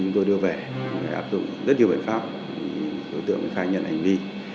đối tượng khai nhận anh vy